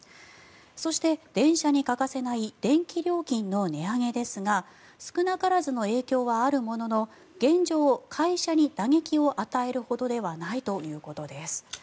そして、電車に欠かせない電気料金の値上げですが少なからずの影響はあるものの現状、会社に打撃を与えるほどではないということです。